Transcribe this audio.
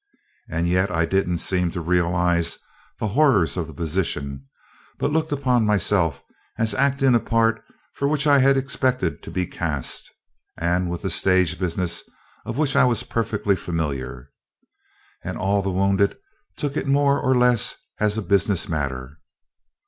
And yet I didn't seem to realize the horrors of the position, but looked upon myself as acting a part for which I had expected to be cast, and with the stage business of which I was perfectly familiar; and all the wounded took it more or less as a business matter.